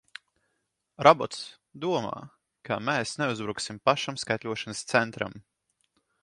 Robots domā, ka mēs neuzbruksim pašam skaitļošanas centram!